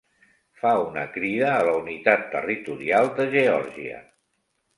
Fa una crida a la unitat territorial de Geòrgia.